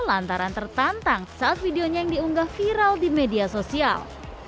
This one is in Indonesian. lantaran tertantang saat videonya yang diunggah viral di media sosial